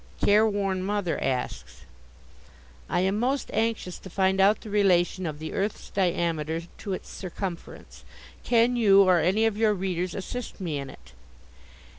Careworn Mother asks: I am most anxious to find out the relation of the earth's diameter to its circumference. Can you, or any of your readers, assist me in it?